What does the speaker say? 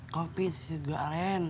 kopi susu gula aren